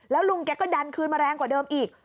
แล้วลุงแกก็ดันคืนมาแรงกว่าเดิมอีก